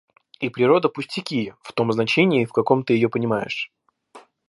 И природа пустяки в том значении, в каком ты ее понимаешь.